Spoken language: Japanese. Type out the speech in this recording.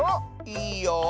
いいよ！